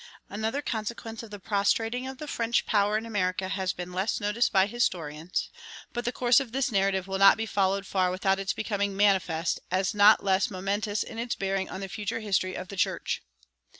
Another consequence of the prostrating of the French power in America has been less noticed by historians, but the course of this narrative will not be followed far without its becoming manifest as not less momentous in its bearing on the future history of the church.